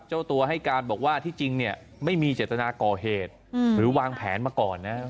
เจ้าตัวให้การบอกว่าที่จริงเนี่ยไม่มีเจตนาก่อเหตุหรือวางแผนมาก่อนนะ